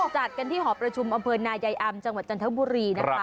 จัดกันที่หอประชุมอำเภอนายายอำจังหวัดจันทบุรีนะคะ